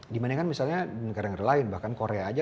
dimana kan misalnya di negara negara lain bahkan korea saja